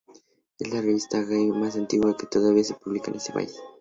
Es la revista gay más antigua que todavía se publica en ese país.